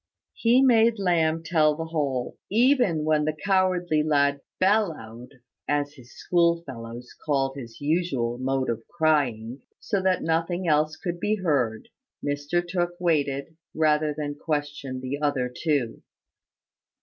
He made Lamb tell the whole. Even when the cowardly lad "bellowed" (as his school fellows called his usual mode of crying) so that nothing else could be heard, Mr Tooke waited, rather than question the other two.